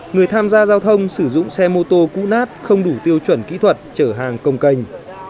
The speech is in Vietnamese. người tham gia giao thông sử dụng xe mô tô cũ nát không đủ tiêu chuẩn kỹ thuật chở hàng công canh